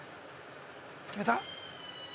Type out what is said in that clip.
決めた？